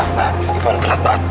mama ivan selamat banget